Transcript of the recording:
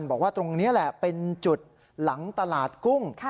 บอกว่าตรงนี้แหละเป็นจุดหลังตลาดกุ้ง